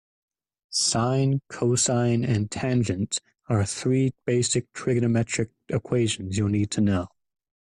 Sine, cosine and tangent are three basic trigonometric equations you'll need to know.